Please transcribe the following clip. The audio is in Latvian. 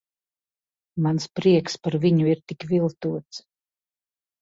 Mans prieks par viņu ir tik viltots.